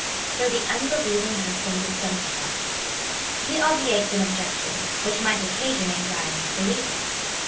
For the unbelieving husband is sanctified. He obviates an objection, which might occasion anxiety to believers.